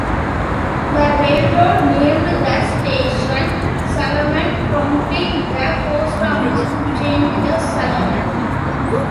The railroad named the station "Sullivan" prompting the post office to change to Sullivan.